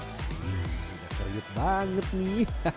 hmm sudah keringet banget nih